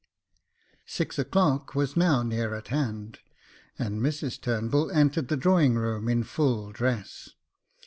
Six o'clock was now near at hand, and Mrs Turnbull entered the drawing room in full dress.